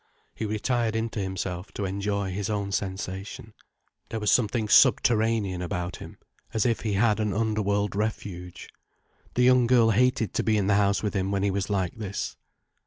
He retired into himself, to enjoy his own sensation. There was something subterranean about him, as if he had an underworld refuge. The young girl hated to be in the house with him when he was like this.